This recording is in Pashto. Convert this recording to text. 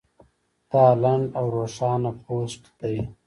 دا لنډ او روښانه پوسټ دی